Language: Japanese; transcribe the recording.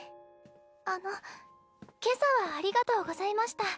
あの今朝はありがとうございました。